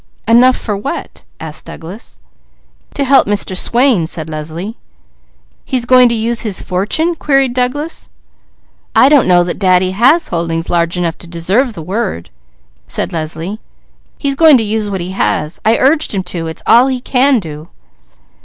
"Enough for what?" asked Douglas. "To help Mr. Swain," said Leslie. "He's going to use his fortune?" queried Douglas. "I don't know that Daddy has holdings large enough to deserve the word," said Leslie. "He's going to use what he has. I urged him to; it's all he can do."